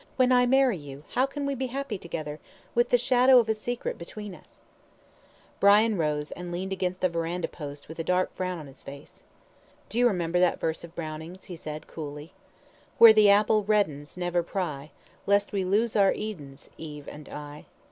"When I marry you how can we be happy together, with the shadow of a secret between us?" Brian rose, and leaned against the verandah post with a dark frown on his face. "Do you remember that verse of Browning's," he said, coolly 'Where the apple reddens Never pry, Lest we lose our Edens, Eve and I.'